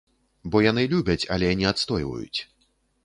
Бо яны любяць, але не адстойваюць.